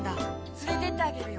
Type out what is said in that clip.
つれてってあげるよ。